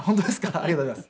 ありがとうございます。